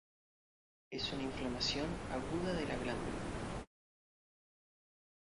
Es una inflamación aguda de la glándula.